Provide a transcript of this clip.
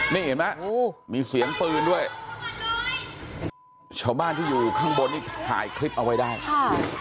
นี่เห็นไหมมีเสียงปืนด้วยชาวบ้านที่อยู่ข้างบนนี่ถ่ายคลิปเอาไว้ได้ค่ะ